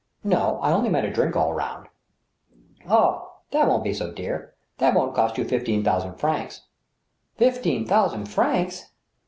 " No ; I only meant a drink all round." " Ah, that wouldn't be so dear. That wouldn't cost you fifteen thousand francs." " Fifteen thousand francs